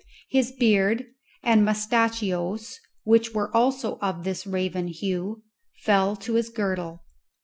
His beard and mustachios, which were also of this raven hue, fell to his girdle.